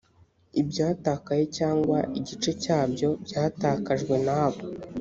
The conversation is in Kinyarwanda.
ibyatakaye cyangwa igice cyabyo byatakajwe n abo